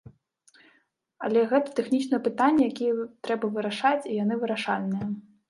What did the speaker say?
Але гэта тэхнічныя пытанні, якія трэба вырашаць і яны вырашальныя.